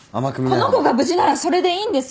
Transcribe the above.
この子が無事ならそれでいいんです！